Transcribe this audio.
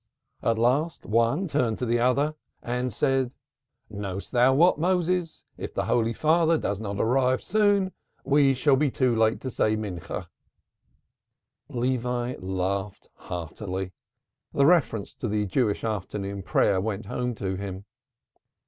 At last one turned to the other and said, 'Knowest them what, Moses? If the Holy Father does not arrive soon, we shall be too late to say mincha." Levi laughed heartily; the reference to the Jewish afternoon prayer went home to him.